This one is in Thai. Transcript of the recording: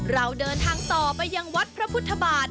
เราเดินทางต่อไปยังวัดพระพุทธบาท